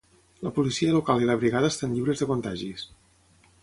La Policia Local i la Brigada estan lliures de contagis.